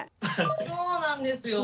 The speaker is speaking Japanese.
そうなんですよ。